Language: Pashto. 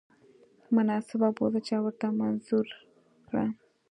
مناسبه بودجه ورته منظور کړه.